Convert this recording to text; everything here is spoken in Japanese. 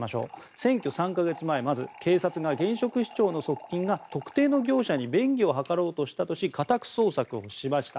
選挙３か月前警察が現職市長の側近が特定の業者に便宜を図ろうとしたとして家宅捜索をしました。